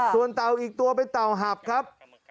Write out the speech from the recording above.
ส่วนเต่าอีกตัวเป็นเต่าหับครับ